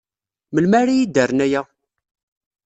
Melmi ara iyi-d-rren aya?